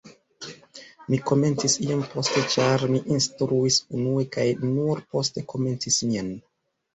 Mi komencis iom poste ĉar mi instruis unue kaj nur poste komencis mian